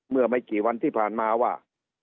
เมื่อไม่กี่วันที่ผ่านมาว่า